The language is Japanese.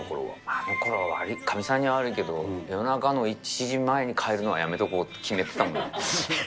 あのころはかみさんには悪いけど、夜中の１時前に帰るのはやめとこうって決めてた。